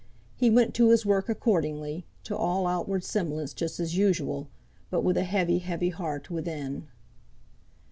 He went to his work, accordingly, to all outward semblance just as usual; but with a heavy, heavy heart within.